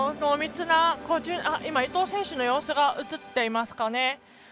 今、伊藤選手の様子が映っていますかね。